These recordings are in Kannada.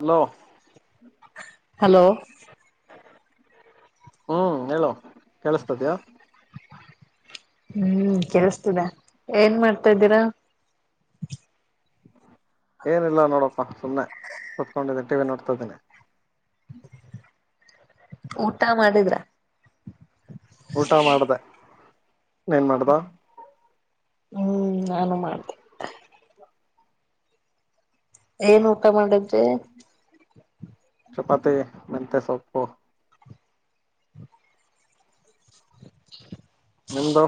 ಹಲೋ ಹಲೋ ಹ್ಮ್ ಹೇಳು ಕೇಳಿಸತದ ಹ್ಮ್ ಕೆಲ್ಸತದ ಏನ್ ಮಾಡ್ತಾ್ದೀರಾ ಏನಿಲ್ಲ ನೋಡಪ್ಪ ಸುಮ್ಮನೆ ಕುೂತ್ಕೊಂಡಿದ್ದನಿ ಟಿವಿ ನೋಡ್ತಾಿದ್ದೀನಿ ಹ್ಮ ಊಟ ಮಾಡಿದ್ರ ಊಟ ಮಾಡ್ದೆ ಹ್ಮ್ ನಾನು ಮಾಡ್ದೆ ಏನ್ ಊಟ ಮಾಡಿದಿ ಚಪಾತಿ ಮಾತೇಸೊಪ್ಪು ಹ [inaudible] ನಿದು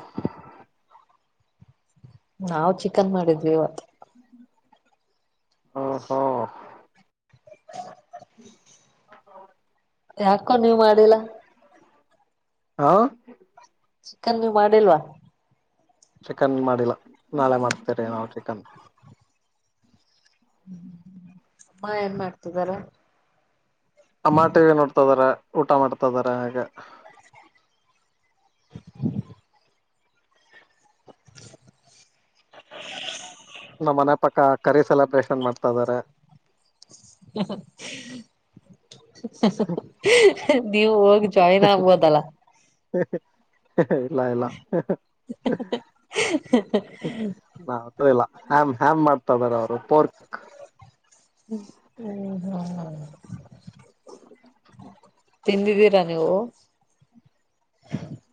ನಾವು ಚಿಕನ್ ಮಾಡಿದ್ವಿ ಇವತ್ ಹ ಹಾ ಯಾಕೋ ನೀವ್ ಮಾಡಿಲ್ಲ ಹಾ ಚಿಕನ್ ಮಾಡಿಲ್ವಾ ಚಿಕನ್ ಮಾಡಿಲ್ಲ ನಾಳೆ ಮಾಡ್ತೇರಿ ನಾವು ಚಿಕನ್ ಅಮ್ಮ ಏನ್ ಮಾಡ್ತಿದಾರ ಅಮ್ಮಟಿಗೆ ನೋಡ್ತ ಇದಾರ ಊಟ ಮಾಡ್ತದಾರ ಹಾಗಗ ಹ [unintelligible] ನಮ್ಮ ಮನೆ ಪಕ್ಕ ಕರಿ ಸೆಲೆಬ್ರೇಷನ್ ಮಾಡ್ತಾ ಇದ್ದಾರೆ. ಹ್ಮ ಹ್ಮ್ ನೀವು ಹೋಗ್ ಜಾಯಿನ್ ಆಗಬಹುದಲ್ಲ ಇಲ್ಲ ಇಲ್ಲ ಮಾತ್ ಇಲ್ಲ ಹಮ್ ಹಮ್ ಮಾಡ್ತಾ ಇದ್ದಾರೆ ಅವರು ಪೋರ್ಕ್ ಹ್ಮ್ ಹ್ಮ ತಿಂದ್ದೀರಾ ನೀವು.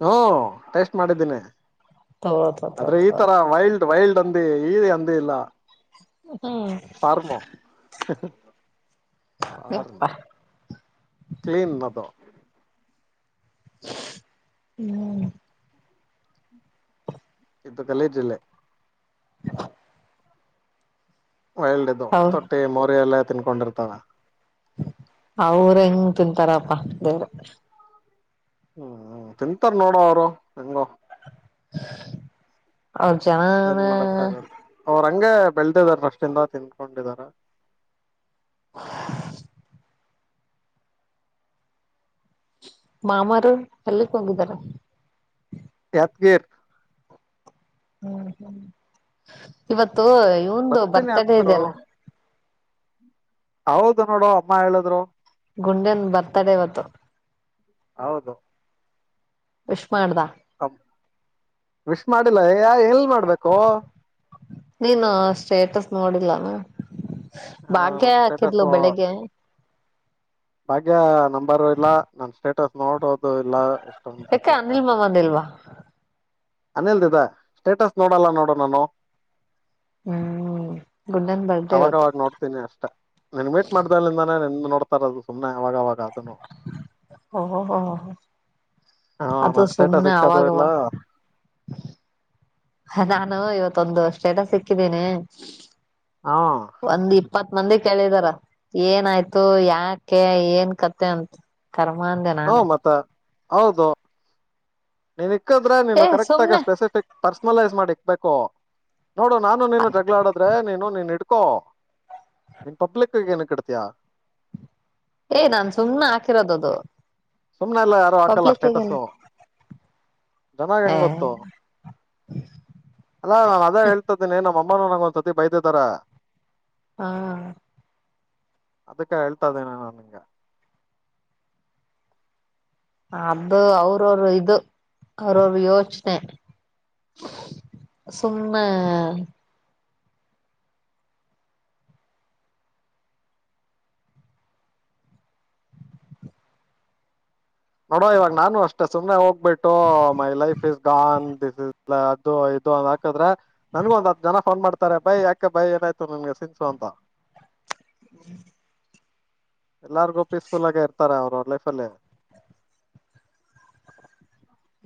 ಹೂ ಟೇಸ್ಟ್ ಮಾಡಿದ್ದೀನಿ ತೋ ತೋ ತೋ ಆದ್ರೆ ಈ ತೋ ತರ ವೈಲ್ಡ್ ವೈಲ್ಡ್ ಹಂದಿ ಈ ಹಂದಿ ಇಲ್ಲ ಹ್ಮ್ ಸರ್ ಯಪ್ಪಾ ಕ್ಲೀನ್ ಅದು ಹ್ಮ್ ಇಂದು ಗಲೀಜ್ ಅಲ್ಲೆ ಹ ವೈಲ್ಡ್ ಅದು ತೊಟ್ಟಿ ಮೋರಿ ಎಲ್ಲಾ ತಿನ್ಕೊಂಡಿರ್ತಾವೆ ಅವರು ಹೆಂಗ್ ತಿಂತಾರಪ್ಪಾ ದೇವರೆ ಹ್ಮ್ ತಿಂತಾರ ನೋಡೊ ಅವರು ಹೆಂಗೋ ಅವ್ ಜನ ಏನ್ ಮಾಡಕ್ ಆಗಲ್ಲ ಅವ್ರ ಹಂಗೆ ಬೆಳದಿದೆ ಪಾಷ್ಟಿಂದ ತಿನ್ಕೊಂಡಿದ್ದಾರೆ. ಹ ಮಾಮಾರು ಅಲ್ಲಿಕ್ ಹೋಗಿದ್ದಾರೆ. ಯಾದಗಿರ್ ಹ್ಮ್ ಹ್ಮ್ ಇವತ್ತು ಇವನ್ದು ಬರ್ತೀನಿ ಬರ್ತಡೇ ಅಂದ್ರು ಇದೆಯಲ್ಲ. ಹೌದು ನೋಡು ಅಮ್ಮ ಹೇಳಿದ್ರು. ಗುಂಡನ್ ಬರ್ತಡೇ ಇವತ್ತು ಹೌದು ವಿಶ್ ಮಾಡ್ದ ವಿಶ್ ಮಾಡಿಲ್ಲ ಯ ಎಲ್ಲಿ ಮಾಡ್ಬೇಕು. ನೋಡಿಲ್ಲಾ ಅವನ್ ಹ ಭಾಗ್ಯ ನನ್ ಹಾಕಿದ್ಲು ಸ್ಟೇಟಸ್ ಬೆಳಿಗ್ಗೆ ಭಾಗ್ಯ ನಂಬರ್ ಇಲ್ಲ ನನ್ ಸ್ಟೇಟಸ್ ನೋಡೋದ್ ದು ಎಲ್ಲಾ ಎಷ್ಟೊಂದು ಯಾಕೆ ಸತಿ ಅನಿಲ್ ಯಾರದು ಮಾಮಂದಿಲ್ವಾ ಅನಿಲ್ ಇದ ಸ್ಟೇಟಸ್ ನೋಡಲ್ಲ ನೋಡು ನಾನು ಹ್ಮ್ ಗುಂಡನ್ ಬರ್ಡೇ ಅವಾಗ ಇವತ್ತು ಅವಾಗ ನೋಡ್ತೀನಿ ಅಷ್ಟೇ ನನ್ ಮೀಟ್ ಮಾಡ್ದಲ್ಲಿಂದಾನೇ ನೀನ್ ಇಂಗ್ ನೋಡ್ತಾರಿದು ಸುಮ್ಮನೆ ಆವಾಗ ಆವಾಗ ಓ ಓ ಹೋಹೋ ಹಾ ಅದು ನನ್ ಸ್ಟೇಟಸ್ ಸುಮ್ಮನೆ ಇಕ್ಕದು ಆವಾಗ ಇಲ್ಲ ಆವಾಗ ನಾನು ಇವತ್ತೊಂದು ಸೇಟಸ್ ಇಕ್ಕಿದ್ದೀನಿ ಹಾ ಒಂದ್ ಇಪ್ಪತ್ತು ಮಂದಿ ಕೇಳಿದಾರ ಏನಾಯ್ತು ಯಾಕೆ ಏನ್ ಕತೆ ಅಂತ್. ಕೂರ್ಮ ಅಂದೆ ಹ ನಾನು ಮತ್ತ ಹೌದು ನೀನ್ ಇಕ್ಕದ್ರೆ ಏ ನೀನು ಕರೆಕ್ಟ್ ಆಗಿ ಸುಮ್ನೆ ಸ್ಪೆಸಿಫಿಕ್ ಪರ್ಸ್ನಲೈಸ್ ಮಾಡಿ ಇಕ್ಬೇಕು. ನೋಡು ನಾನು ನೀನು ಜಗಳ ಆಡಿದ್ದ್ರೆ ನೀನು ನೀನ್ ಇಡ್ ಕ್ಕು ನೀನ್ ಪಬ್ಲಿಕ್ ಗೆ ಏನಕ್ಕೆ ಇಡುತಿಯಾ ಏ ನಾನ್ ಸುಮ್ನೆ ಹಾಕಿರೋದು ಅದು ಸುಮ್ಮನೆ ಎಲ್ಲಾ ಯಾರು ಹಾಕಲ್ಲ ಸ್ಟೇಟಸು. ಜನ ಹೆಂಗ್ ಏ ಗೊತ್ತು ಅಲ್ಲ ನಾನು ಅದೇ ಹೇಳ್ತ್ದೀನಿ ನಮ್ಮ್ ಅ ಮ್ಮಾನು ನಂಗ್ ಒಂದ್ ಸತಿ ಬೈದಿದ್ದಾರೆ ಹಾ ಅದಕ್ಕ ಹೇಳ್ತಾ ಇದ್ದೀನಿ ನಾನು ನಿಂಗೆ ಅದು ಅವರ್ ಅವರು ಇದು ಅವರ್ ಅವರ್ ಯೋಚನೆ ಸುಮ್ಮ ನೋಡೋ ಇವಾಗ ನಾನು ಅಷ್ಟೇ ಸುಮ್ನೆ ಹೋಗ್ಬಿಟ್ಟು my life is gone this ಇ ಅದು ಇದು ಅಂದ ಹಾಕದ್ರೆ ನನ್ ನನಗೂ ಒಂದು ಜನ ಪೊನ್ ಮಾಡ್ತಾರೆ ಬೈ ಯಕ ಬೈ ಏನಾಯ್ತು ನಿನ್ಗೆ ಸ ಸಿನ್ಸು ಅಂತ ಹ್ಮ ಎಲ್ಲಾರ್ಗು ಪೀಸ್ಫುಲ್ ಆಗೇ ಇರ್ತಾರೆ ಅವ್ರ ಲೈಫಲ್ಲಿೇ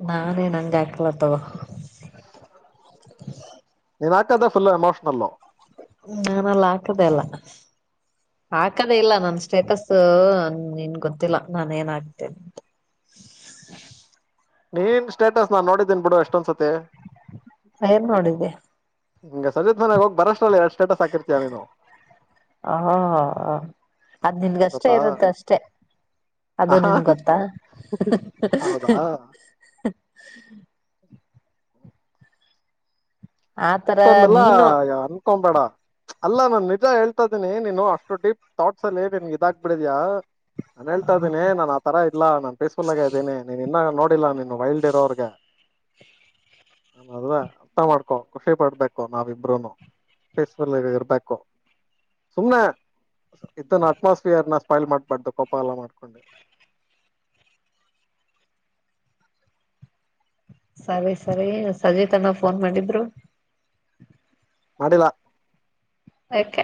ನಾನೇ ನಂಗೆ ಯಕ್ಲತ್ತವ ನಿನಕ ಅದ ಫುಲ್ ಎಮೋಷನಲ್ಲ್ಲೋ ಇನ್ಮೇಲೆ ನಾನು ಹಾಕದೆ ಇಲ್ಲ ಹಾಕದೇ ಇಲ್ಲ ನನ್ ಸ್ಟೇಟಸ್ ನಿನ್ ಗೊತ್ತಿಲ್ಲ ನಾನ ಏನ್ ಆಗತೇನೆ ಅಂತ [inaudible] ನೀನ್ ಸ್ಟೇಟಸ್ ನಾನ್ ನೋಡಿದ್ದೇನ್ ಬಿಡು ಎಷ್ಟೊಂದಸತಿ ಏನ್ ನೋಡಿದ್ದು ಹಂಗ ಸಜತ್ ಮನಯಾಗ ಹೋಗಿ ಬರಷ್ಟಲ್ಲ ಎರ ಸ್ಟೇಟಸ್ ಹಾಕಿರ್ತೀಯಾನ ನೀನು ಹ ಅದ್ ಹ್ಮ್, ನಿನ್ಗಷ್ಟೇ ಗೊತ್ತಾ ಇರುತ್ತ ಅಷ್ಟೆ ಅದು ಆಹಾ, ನಿನ್ ಗೊತ್ತಾ ಹೌದಾ ಆತರ ಅಷ್ಟೊಂದಲ್ಲ ನೀನು ಅನ್ಕೊಬೇಡ ಅಲ್ಲಾ ನಾನ್ ನಿಜ ಹೇಳ್ತಾ ಇದ್ದೀನಿ ನೀನು ಅಷ್ಟು ಡೀಪ್ ಥಾಟ್ಸ್ ಅಲ್ಲಿ ನಿನ್ ಇದಾಗಬಿಡಿದಯಾ ನಾನ ಹೇಳ್ತಾ ಇದ್ದೀ ನನ್ ಆ ತರ ಇಲ್ಲ ನಾನ್ ಪೀಸ್ಫುಲ್ ಆಗ ಇದ್ದೀನೀ ನೀನ್ ಇನ್ನ ನೋ ಮಾಡಲ್ಲ ನೀನು ವೈಲ್ಡ್ ಡರ್ ಅವ್ರಗ ನ ಅಲ್ ಅರ್ಥ ಮಾಡ್ಕೊ ಖುಷಿ ಪಡ್ಬೇಕು ನಾವಿಬ್ರೂನು ಫಸ್ಲ್ ಇರ್ಬೇಕು ಸುಮ್ನೆ ಇದನ್ನ ಅಟ್ಮಾಸ್ಫಿಯರ್ ನ ಸ್ಪೈಲ್ ಮಾಡ್ಬಾರ್ದು ಕೋಪ ಎಲ್ಲ ಮಾಡ್ಕೊಂಡು [inaudible] ಸರಿ ಸರಿ ಸಜೀತನ ಫೋನ್ ಮಾಡಿದ್ರು ಮಾಡಿಲ್ಲಾ ಓಕೆ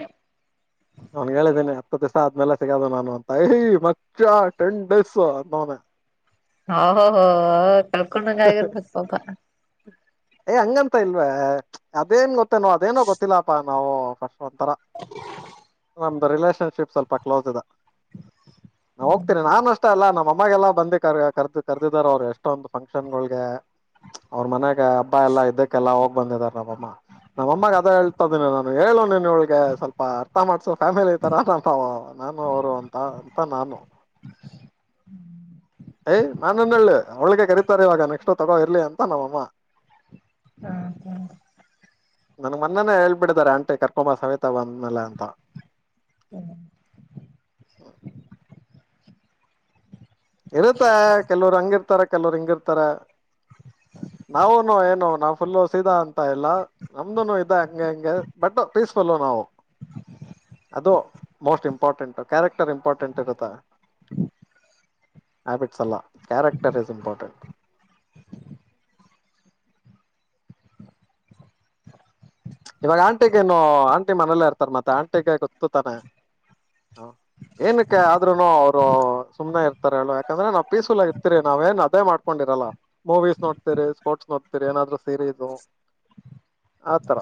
ಅವನ್ ಹೇಳಿದೀನಿ ಹತ್ತು ದಿವಸ ತೆಗೆಯೋದು ನಾನು ಅಂತ ಏಯ್ ಮಚ್ಚಾ ಟೆನ್ ಡೇಸ್ ಹ ಹ ಹ ಹ ಕಳ್ಕೊಂಡ್ಣ ಆಗಿರಬೇಕು ಪಪ ಏ್ ಹಂಗಂತ ಇಲ್ವ ಅದೇನ್ ಗೊತ್ತೇನೋ ಅದೇನೋ ಗೊತ್ತಿಲ್ಲಪಾ ನಾವು ಫಸ್ಟ್ ಒಂಥರ ನಮ್ದು ರಿಲೇಷನ್ಶಿಪ್ ಸ್ವಲ್ಪ ಕ್ಲೋಸ್ ಇದೆ ನಾ ಹೋಗ್ತೀನಿ ನಾನ್ ಅಷ್ಟ ಅಲ್ಲ ನಮ್ಮ ಅಮ್ಮಗೆಲ್ಲಾ ಬಂದಿಕ್ ಕರ್ದು ಕರ್ದಿದಾರ ಅವ್ರು ಎಷ್ಟೊಂದು ಫಂಕ್ಷನ್ ಗಳಗೆ ಅವ್ರ ಮನ್ಯಾಗ ಹಬ್ಬ ಎಲ್ಲಾ ಇದ್ದಕ್ಕೆಲ್ಲಾ ಹೋಗ್ ಬಂದಿದಿದ್ದಾರೆ ನಬಮ್ಮ ನಮ್ಮಮ್ಮಗೆ ಅದ ಹೇಳ್ತಾ ಇದೀನಿ ನಾನು ಹೇಳು ಸ್ವಲ್ಪ ಅರ್ಥ ಮಾಡ್ಸು ಫ್ಯಾಮಿಲಿ ತರಂತಾವ ನಾನು ಅವರು ಅಂತ ಅಂತ ನಾನು ಹ್ಮ್ ಯ್ ನಾನನ್ ಹೇಳಿ ಒಳ್ಳಳಗೆ ಕರಿತಾರೆ ಇವಾಗ ನೆಕ್ಸ್ಟ್ ತಗೋ ಇರ್ಲಿ ಅಂತ ನಮ್ಮಮ್ಮ ಹಕ ನನ್ ಮೊನ್ನನೇ ಹೇಳ್ಬಿಡಿದ್ದಾರೆ ಆಂಟಿ ಕರ್ಕೊಂಬ ಸವೇತಾ ಬಂದ ಮಲ್ಲ ಅಂತ ಹ್ಮ ಇರುತ್ತಾ ಕೆಲವರು ಹಂಗಿರ್ತಾರ ಕೆಲವರ್ ಹಿಂಗಿರ್ತಾರ ಹ ನಾವುನು ಏನು ನಾವು ಫುಲ್ಲ ಸೀದಾ ಅಂತ ಇಲ್ಲ ನಮ್ದುನು ಇದ ಹಂಗೆ ಹಂಗೆ ಬಟ್ ಪೀಸ್ಫುಲ್ಲ ನಾವು ಹ ಅದು ಮೋಸ್ಟ್ ಇಂಪಾರ್ಟೆಂಟ್ ಕ್ಯಾರೆಕ್ಟರ್ ಇಂಪಾರ್ಟೆಂಟ್ ಇರುತ್ತಾ ಹ್ಮ ಹ್ಯಾಬಿಟ್ಸ್ ಅಲ್ಲ ಕ್ಯಾರೆಕ್ಟರ್ ಈಸ್ ಇಂಪಾರ್ಟೆಂಟ್ [inaudible] ಇವಾಗ ಆಂಟಿಗೇನು ಆಂಟಿ ಮನೇಲ್ಲೇ ಇರ್ತಾರ ಮತ್ತೆ ಆಂಟಿಗೆ ಗೊತ್ತು ತಾನೆ ಏನಕ್ಕೆ ಆದ್ರೂನು ಅವರು ಸುಮ್ನೆ ಇರ್ತಾರ ಹೇಳು ಯಾಕಂದ್ರೆ ನಾವ್ ಪೀಸ್ಫುಲ್ ಇರ್ತಿರಿ ನಾವೇನ್ ಅದ ಮಾಡ್ಕೊಂಡ ಇರಲ್ಲ ಮೂವೀಸ್ ನೋಡ್ತೀರಿ ಸ್ಪೋರ್ಟ್ಸ್ ನೋಡ್ತತಿರಿ ಏನಾದ್ರು ಸೀರೀಸ್ ಹ [inaudible] ಆಥರ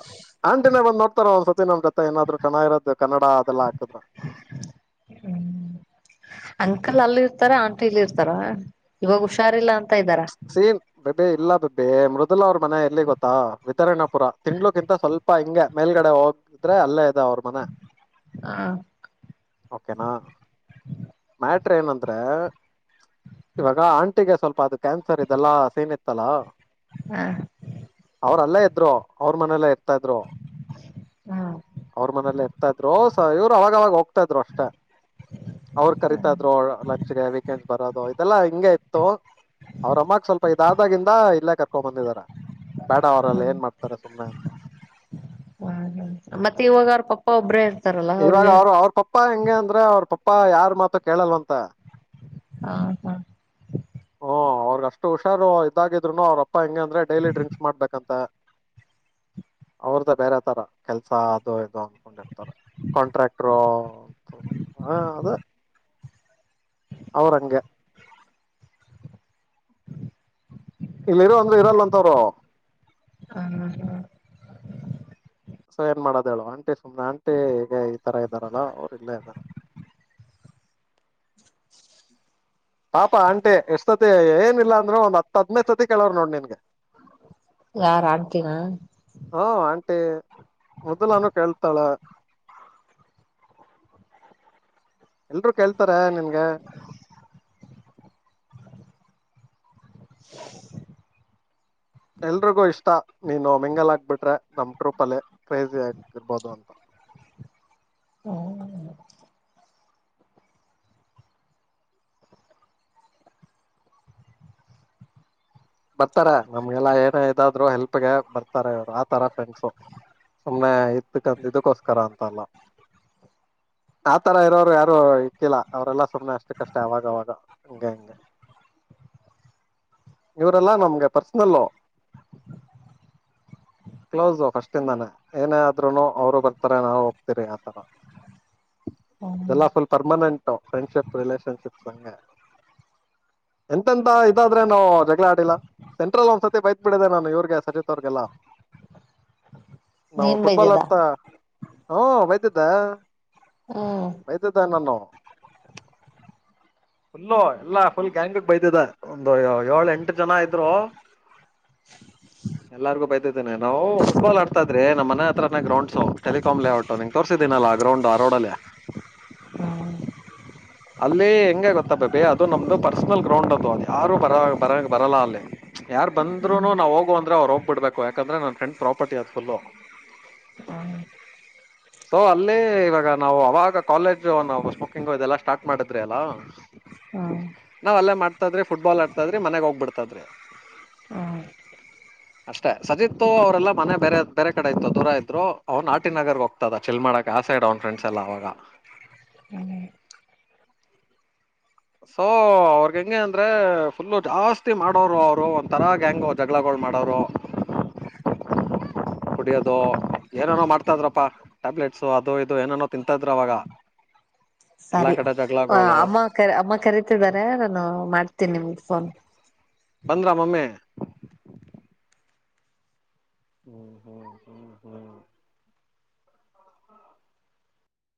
ಆಂಟಿನ ಬಂದ್ ನೋಡ್ತಾರ ಒಂದ್ಸತಿ ನಮ್ ಜೊತೆ ಏನಾದ್ರು ಚೆನ್ನಾಗಿರೋದದು ಕನ್ನಡ ಅದೆಲ್ಲ ಹಾಕಿದ್ರ ಹ್ಮ್ ಅಂಕಲ್ ಅಲ್ಲಿ ಇರ್ತಾರ ಆಂಟಿ ಇಲ್ಲಿ ಇರ್ತಾರ ಇವಾಗ ಹುಷಾರಿಲ್ಲ ಅಂತ ಇದ್ದಾರ ಸೀನ್ ಬಬೆ ಇಲ್ಲ ಬೆಬ್ಬೆ ಮೃದ ಮೊದಲು ಅವ್ರ ಮನೆ ಎಲ್ಲಿ ಗೊತ್ತಾ ವಿತರಣಪುರ ತಿಂಳಕ್ಕಿಂತ ಸ್ವಲ್ಪ ಹಿಂಗೆ ಮೇಲ್ಗಡೆ ಹೋಗದ್ರೆ ಅಲ್ಲೇ ಅವ ಮನೆ ಹ ಓಕೆನಾ ಮಟ್ ಏನಂದ್ರೆ ಇವಾಗ ಆಂಟಿಗೆ ಸ್ವಲ್ಪ ಅದು ಕ್ಯಾನ್ಸರ್ ಇದೆಲ್ಲಾ ಸೈನ್ ಇತ್ತಲ್ಲಾ ಹ ಅವ್ರಲ್ಲ ಇದ್ರು ಅವ್ರ ಮನೆಯಲ್ಲ ಇರ್ತಾ ಇದ್ರು ಹಾ ಅವ್ರ ಮನೇಲಿ ಇರ್ತ ಇದ್ರು ಸ ಇವ್ರು ಅವಾಗ ಅವಾಗ ಹೋಗ್ತ [unintelligible] ಅಷ್ಟ ಅವ್ರು ಕರತ ಇದ್ರು ಹ್ಮ ಲಂಚ್ಗೆ ವೀಕೆಂಡಸ್ ಬರೋದು ಇದೆಲ್ಲಾ ಹಿಂಗೆ ಇತ್ತು ಅವ್ರಮ್ಮಕ್ ಸ್ವಲ್ಪ ಇದಾದಾಗಿಂದ ಇಲ್ಲೇ ಕರ್ಕೊಂಡ್ ಬಂದಿದಾರ ಬೇಡ ಅವರಲ್ಲ ಏನ್ ಹ್ಮ ಮಾಡ್ತಾರೆ ಸುಮ್ನೆ ಅಂತ ಮತ್ತೆ ಇವಾಗ ಅವ್ರ ಪಪ್ಪ ಒಭ್ರ ಇವಾಗ ಅವ್ರ ಅವ್ರ ಪಪ್ಪಾ ಹೆಂಗಗೆ ಅಂದ್ರ ಅವ್ರ ಪಪ್ಪ ಯಾರಾರ್ ಮಾತ ಕೇಳಲ್ವಂತ ಹ ಹಾ ಅವ್ರಗ್ ಅಷ್ಟು ಹುಷಾರು ಇದಾಗಿದ್ರುನು ಅವ್ರ ಅಪ್ಪ ಹೆಂಗಗೆ ಅಂದ್ರೆ ಡೈಲಿ ಡ್ರಿಂಕ್ಸ್ ಮಾಡ್ಬೇಕಂತ ಅವ್ರ್ದ ಬೇರೆ ತರ ಕೆಲ್ಸ ಅದು ಇದು ಅನ್ಕೊಂಡಿರ್ತಾರ ಕಾಂಟ್ರಾಕ್ಟರ ಅಂತ ಹ ಅದ ಅವರಂಗ ಇಲ್ಲಿ ಇರೋ ಅಂದ್ರ ಇರಲ್ಲ ಅಂತವರು ಆ ಹ ಸೊ ಏನ್ ಮಾಡೋದ ಹೇಳು ಆಂಟಿ ಸುಮ್ನೆ ಆಂಟಿ ಹೀಗೆ ಈ ತರ ಇದ್ದಾರಲ್ಲ ಅವರು ಇಲ್ಲೇ ಇದ್ದಾರೆ [inaudible] ಪಾಪ ಅಂಟೆ ಎಷ್ಟ್ ಸತಿ ಏನಿಲ್ಲಾ ಅಂದ್ರೆ ಒಂದ್ ಹತ್ ಹದನೇ ಸತಿ ಕೇಳವ್ರ ನೋಡ್ ನಿನ್ಗೆ ಯಾರ ಆಂಟಿನ ಹ ಆಂಟಿ ಮೊದ್ಲಾನೂ ಕೇಳ್ತಾಳ ಎಲ್ರು ಕೇಳ್ತಾರ ನಿನ್ಗ [inaudible] ಎಲ್ರಿಗೂ ಇಷ್ಟ ನೀನು ಮಿಂಗಲ್ಾಕ್ಬಿಟ್ರೆ ನಮ್ ಟ್ರೂಪ್ ಅಲ್ಲಿ ಕ್ರೇಜಿ ಆಗಿರ್ಬೋದು ಅಂತ ಹ್ಮ ಬರ್ತಾರೆ ನಮ್ಗೆಲ್ಲಾ ಏನ ಇದಾದ್ರು ಹೆಲ್ಪ್ಗೆ ಬರ್ತಾರೆ ಅವವ್ರು ಆತರ ಫ್ರೆಂಡ್ಸು ಸುಮ್ಮ್ನೆ ಇತ್ಕಂತ ಇದಕ್ಕೋಸ್ಕರ ಅಂತ ಅಲ್ಲ [inaudible] ಆತರ ಇರೋರು ಯಾರು ಇಕ್ಕಿಲ್ಲ ಅವ್ರೆಲ್ಲಾ ಸುಮ್ನೆ ಅಷ್ಟಕ್ಕಷ್ಟೇ ಅವಾಗ ಅವವಾಗ ಹಂಗೆ ಹಿಂಗೆ [inaudible] ಇವ್ರಲ್ಲಾ ನಮ್ಗೆ ಪರ್ಸನಲ್ಲ [inaudible] ಕ್ಲೋಸ ಫಸ್ಟಿಂದಾನೇ ಏನೇ ಆದ್ರುನು ಅವರು ಬರ್ತಾರೆ ನಾವು ಹೋಗ್ತಿೀರಿ ಆಥವಾ [inaudible] ಹ್ಮ್ ಇದೆಲ್ಲ ಫುಲ್ ಪರ್ಮನೆಂಟ್. ಫ್ರೆಂಡ್ಶಿಪ್ ರಿಲೇಷನ್ಶಿಪ್ ಹಗೆ ಎಂತೆಂತ ಇದಾದ್ರೆ ನಾವು ಜ... ಆಡಿಲ್ಲ ಸೆಂಟ್ರಲ್ ಒಂದ್ಸತಿ ಬೈತ್ ಬಿಡಿದೆ ನಾನು ಇವ್ರಗೆ ಸಜತ್ ಅವ್ರಗೆಲ್ಲ... ನಾವು ನೀನ್ ಫುಟ್ಬಾಲ್ ಬೈದ್ಯದ ಆಡ್ತಾ ಹ ವಯತಿದ್ದ. ಹ್ಮ್ ಮೈದ್ದ ನಾನು. [inaudible] ಫುಲ್ಲು ಎಲ್ಲಾ ಫುಲ್ ಗ್ಯಾಂಗಕ್ ಬೈತಿದೆ ಒಂದು ಏಳ ಎಂಟ... ಜನ ಇದ್ರು. ಹ [inaudible] ಎಲ್ಲಾರ್ಗು ಬೈತಿದ್ದೇನೆ ನಾವು ಫುಟ್ಟ್ಬಾಲ್ ಆಡ್ತಿದ್ರ ನಮ್ಮ ಮನೆ ಹತ್ರನ ಗ್ರೌಂಡ್ ಟೆಲಿಕಾ ಲೇಔಟ್ಂ ತೋರ್ಸಿದ್ದ. ನಲ್ಲ ಆ ಗ್ರೌಂಡ ಆರೋಡಾಲ. ಹ್ಮ್ [inaudible] ಅಲ್ಲಿ ಹೆಂಗೆ ಗೊತ್ತ ಬೇಬಿ ಅದು ನಮ್ದು ಪರ್ಸನಲ್ ಗ್ರೌಂಡ್ ಅದುು ಅದು ಯಾರು ಬರ ಬರ ಬರಲ್ಲ ಅಲ್ಲಿ ಯಾರ್ ಬಂದರುನು ನಾವವು ಹೋಗುವ ಅಂದ್ರೆ ಹೋಗಬ ಬಿಡ್ಬೇಕು ಯಾಕಂದ್ರೆ ನನ್ ಫ್ರೆಂಡ್ ಪ್ರಾಪರ್ಟಿ ಅದ ಫುಲ್ ಹ್ಮ [inaudible] ಸೊ ಅಲ್ಲ ಇವಾಗ ನಾವು ಅವಾಗ ಕಾಲೇಜ್ ನಾ ಸ್ಮೋಕಿಂಗ್ ಇದೆಲ್ಲಾ ಸ್ಟಾರ್ಟ್. ಮಾಡತ್ರಿ ಅಲ. ಹ್ಮ್ ನಾವ್ ಅಲ್ಲ ಮಾಡ್ತಾದ್ರೆ ಫುಟ್ಬಾಲ್ ಆಡ್ತಾದ್ರಿ ಮನೆಾಗ ಹೋಗ್ಬಿಡ್ತಾದ್ರಿ. ಹ [inaudible] ಅಷ್ಟೇ ಸಜಿತ್ತು ಅವ್ರರೆಲ್ಲ ಮನೆ ಬೇರೆ ಬೇರೆ ಕಡೆ ಇತ್ತು ದೂರ ಇದ್ರು ಅವ್ನ್ ನಾಟಿನ ನಗರ್ಗೆ ಹೋಗ್ತದ ಚೆಲ್ಮಾ ಆಸ ಆಡ್ ಅವನ್ ಫ್ರೆಂಡ್ಸ್ ಎಲ್ಲ ಆಗ ಮನೆ [inaudible] ಸೊ ಅವ್ರಗ ಹೆಂಗೆ ಅಂದ್ರೆ ಫುಲ್ಲ ಜಾಸ್ತಿ ಮಾಡೋರು ಅವ್ರು ಒಂದ ತರಾಗ ಹೆಂಗ ಜಗಳಗಳ ಮಾಡಡವ ರೋ [inaudible] [inaudible] ಕುಡಿಯೋದು ಏನೇನೋ ಮಾಡ್ತಾ ಇದ್ರಪ್ಪಾ ಟ್ಯಾಬ್ಲೆಟ್ಸ್ ಅದು ಇದು ಏನೇನೋ ತಿಂತ ಇದ್ರ ಅವಾಗ. ಎಲ್ಲಾ ಸರಿ ಕಡೆ ಜಗಳಗಳು ಅಮ್ಮ ಕರಿ ಅಮ್ಮ ಕರೀತಿದ್ದಾರೆ ನಾನು ಮಾಡ್ ತಿನ್ನ ಮೂಫನ್ [inaudible] ಬಂದ್ರ ಮಮ್ಮೆ ಹ್ಮ್ ಹ್ಮ್ ಹ್ಮ್ ಹ್ಮ್ [inaudible]